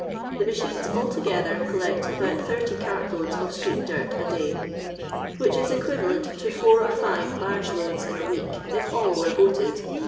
The machines altogether collect about 30 cart loads of street dirt a day, which is equivalent to four or five barge loads in a week, if all were boated.